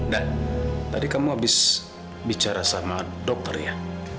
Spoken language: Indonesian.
dan tadi kamu habis bicara sama dokter ya